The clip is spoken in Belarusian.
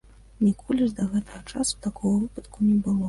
Ніколі ж да гэтага часу такога выпадку не было.